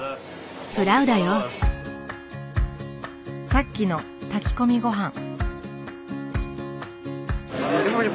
さっきの炊き込みごはん。